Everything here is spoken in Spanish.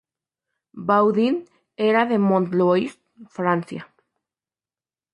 Baudin era de Mont-Louis, Francia.